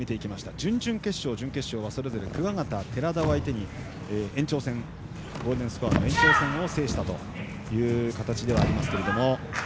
準々決勝、準決勝はそれぞれ桑形、寺田を相手に延長戦、ゴールデンスコア方式を制したという形ではあります。